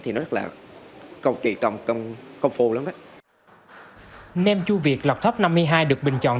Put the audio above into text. thì nó rất là công trị công phu lắm đó nêm chua việt lọc top năm mươi hai được bình chọn